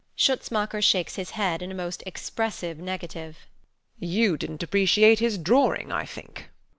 SCHUTZMACHER [shakes his head in a most expressive negative]. WALPOLE. You didnt appreciate his drawing, I think.